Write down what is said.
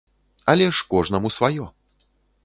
Але ж кожнаму сваё.